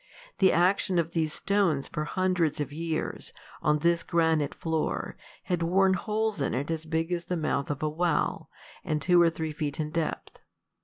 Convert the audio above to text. The action of these stones for hundreds of years, on this granite floor, had worn holes in it as big as the mouth of a well, and two or three feet in depth.